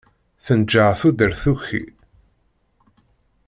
Tenǧeɛ tudert tuki.